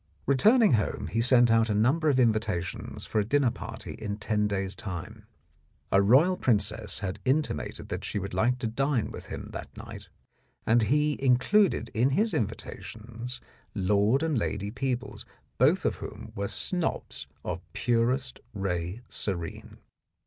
Returning home, he sent out a number of invita tions for a dinner party in ten days' time. A royal princess had intimated that she would like to dine with him that night, and he included in his invita tions Lord and Lady Peebles, both of whom were snobs of "purest ray serene."